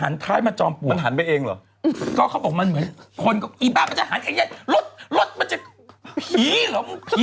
รูปทรงเนี่ย